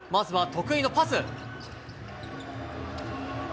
まずは得意のパス。